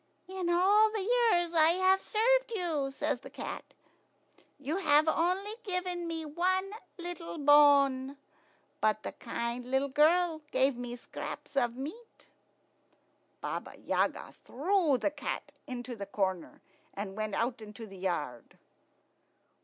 "In all the years I have served you," says the cat, "you have only given me one little bone; but the kind little girl gave me scraps of meat." Baba Yaga threw the cat into a corner, and went out into the yard.